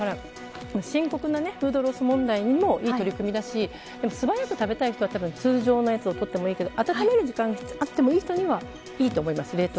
深刻なフードロス問題にもいい取り組みだし素早く食べたい人は通常のものを取っても温める時間があってもいい人にはいいと思います。